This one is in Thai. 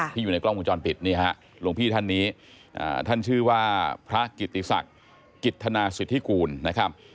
และไหนอย่างขอยกล้องมูลจอลปิดนี่ครับหลวงพี่ท่านนี้ท่านชื่อว่าพระกิติศักดิ์กิทธนาศิษฐกรุณนะครับ